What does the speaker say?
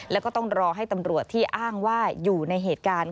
แล้วก็ต้องรอให้ตำรวจที่อ้างว่าอยู่ในเหตุการณ์